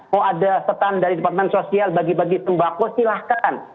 mau ada setan dari departemen sosial bagi bagi sembako silahkan